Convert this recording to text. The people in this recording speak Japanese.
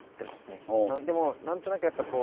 でも何となくやっぱこう。